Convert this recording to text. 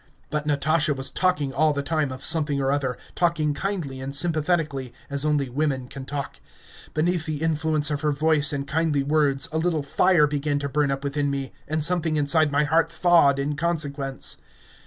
But Natasha was talking all the time of something or other, talking kindly and sympathetically, as only women can talk. Beneath the influence of her voice and kindly words a little fire began to burn up within me, and something inside my heart thawed in consequence.